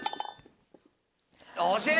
惜しい！